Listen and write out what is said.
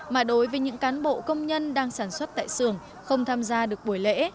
mà đối với những cán bộ công nhân đang sản xuất tại xưởng không tham gia được buổi lễ